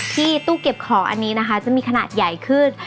ที่ตู้เก็บของอันนี้นะคะจะมีขนาดใหญ่ขึ้น